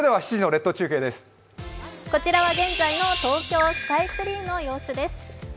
こちらは現在の東京スカイツリーの様子です。